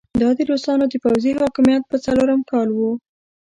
دا د روسانو د پوځي حاکميت په څلورم کال وو.